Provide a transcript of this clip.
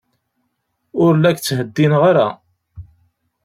Ur la k-ttheddineɣ ara.